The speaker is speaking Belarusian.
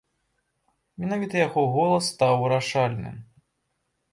Менавіта яго голас стаў вырашальным.